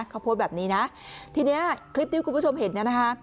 เขาโพสต์แบบนี้นะทีนี้คลิปที่คุณผู้ชมเห็นเนี่ยนะคะ